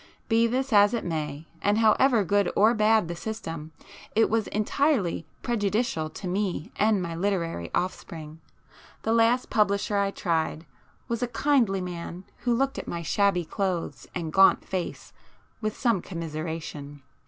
Be this as it may, and however good or bad the system, it was entirely prejudicial to me and my literary offspring. The last publisher I tried was a kindly man who looked at my shabby clothes and gaunt face with some commiseration.